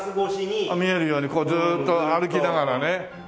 見えるようにこうずっと歩きながらね。